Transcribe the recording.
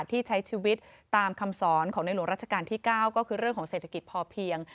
ที่ใช้ชีวิตตามคำสอนของในหลวงราชการที่๙ก็คือเรื่องของเศรษฐกิจพอเพียง